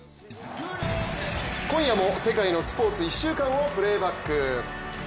今夜も世界のスポーツ１週間をプレーバック。